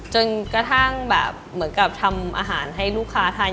จนกระทั่งแบบเหมือนกับทำอาหารให้ลูกค้าทาน